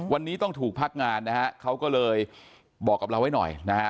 วันนี้ต้องถูกพักงานนะฮะเขาก็เลยบอกกับเราไว้หน่อยนะฮะ